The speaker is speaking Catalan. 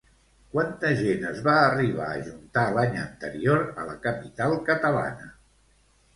Quanta gent es va arribar a ajuntar l'any anterior a la capital catalana?